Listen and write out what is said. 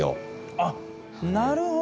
あっなるほど。